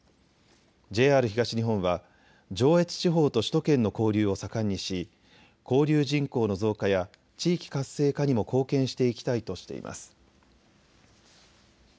ＪＲ東日本は上越地方と首都圏の交流を盛んにし、交流人口の増加や地域活性化にも貢献していきたいとしています。